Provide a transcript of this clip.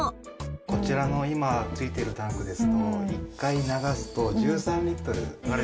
こちらの今付いてるタンクですと１回流すと１３リットル流れていってしまいます。